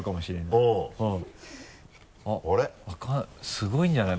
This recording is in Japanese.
すごいんじゃない？